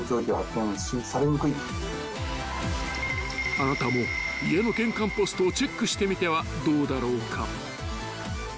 ［あなたも家の玄関ポストをチェックしてみてはどうだろうか］